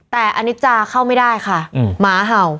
แต่อนิจาเข้าไม่ได้ค่ะหมาเห่า